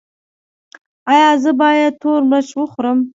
ایا زه باید تور مرچ وخورم؟